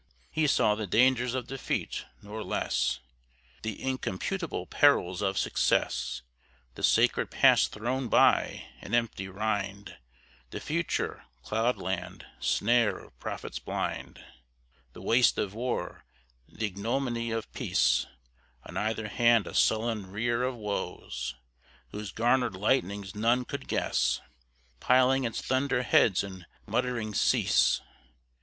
He saw the dangers of defeat, nor less The incomputable perils of success; The sacred past thrown by, an empty rind; The future, cloud land, snare of prophets blind; The waste of war, the ignominy of peace; On either hand a sullen rear of woes, Whose garnered lightnings none could guess, Piling its thunder heads and muttering "Cease!"